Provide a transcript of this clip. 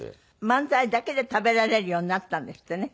漫才だけで食べられるようになったんですってね。